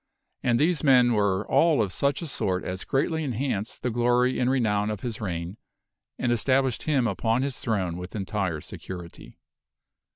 And these men were all of such a sort as greatly enhanced the glory and re nown of his reign and established him upon his throne with entire security.